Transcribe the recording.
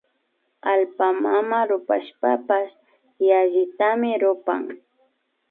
Allpa mama rupashpapash yallitami rupan